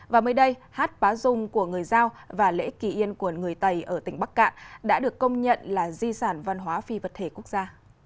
và mới đây hát bá dung của người giao và lễ kỳ yên của người tày ở tỉnh bắc cạn đã được công nhận là di sản văn hóa phi vật thể quốc gia